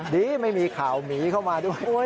ดีไม่มีข่าวหมีเข้ามาด้วย